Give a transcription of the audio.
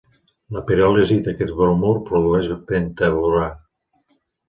La piròlisi d'aquest bromur produeix pentaborà.